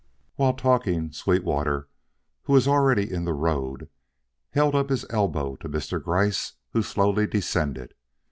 While talking, Sweetwater, who was already in the road, held up his elbow to Mr. Gryce, who slowly descended.